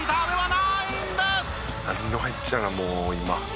「なんでも入っちゃうなもう今」